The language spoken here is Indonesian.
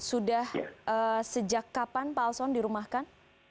sudah sejak kapan pak alson dirumahkan